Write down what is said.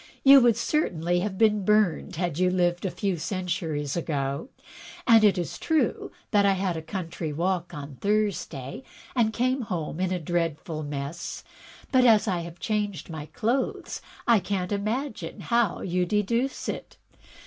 You would cer tainly have been burned, had you Uved a few centuries ago. It is true that I had a country walk on Thursday and came home in a dreadful mess; but, as I have changed my clothes, I can*t imagine how you deduce it.